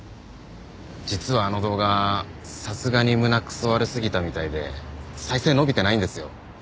実はあの動画さすがに胸くそ悪すぎたみたいで再生伸びてないんですよ。